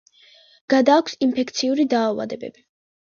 გადააქვს ინფექციური დაავადებები.